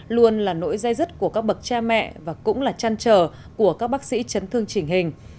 luôn là nỗi dây dứt của các bậc cha mẹ và cũng là chăn trở của các bác sĩ chấn thương chỉnh hình